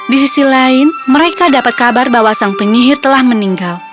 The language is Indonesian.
di sisi lain mereka dapat kabar bahwa sang penyihir telah meninggal